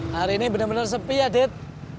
hari ini bener bener sepi ya det